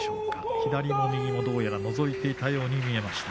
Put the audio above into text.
左も右もどうやらのぞいていたように見えました。